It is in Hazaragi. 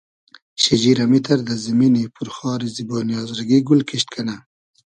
شیجیر امیتر دۂ زیمینی پور خاری زیبۉنی آزرگی گول کیشت کئنۂ